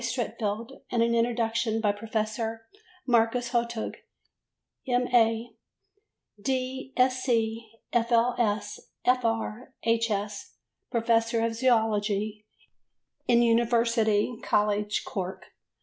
Streatfeild and an introduction by Professor Marcus Hartog, M.A., D.Sc., F.L.S., F.R. H.S., Professor of Zoology in University College, Cork.